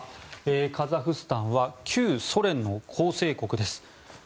カザフスタンは旧ソ連の構成国です。